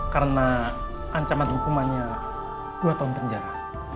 karena ancaman hukumannya dua tahun penjara